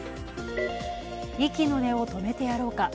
息の根を止めてやろうか。